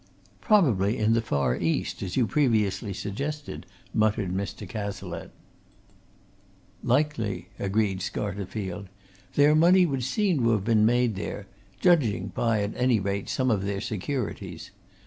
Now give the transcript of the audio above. "Probably in the far East, as you previously suggested," muttered Mr. Cazalette. "Likely!" agreed Scarterfield. "Their money would seem to have been made there, judging by, at any rate, some of their securities.